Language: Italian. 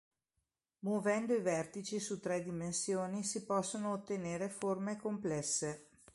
Muovendo i vertici su tre dimensioni si possono ottenere forme complesse.